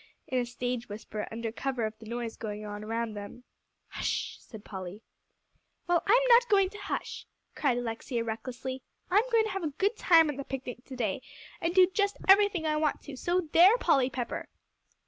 in a stage whisper under cover of the noise going on around them. "Hush," said Polly. "Well, I'm not going to hush," cried Alexia recklessly; "I'm going to have a good time at the picnic to day, and do just everything I want to, so there, Polly Pepper!"